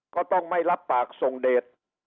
ก็ต้องไม่รับปากส่งเดท